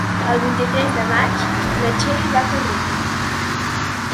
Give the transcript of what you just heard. El vint-i-tres de maig na Txell va a Carrícola.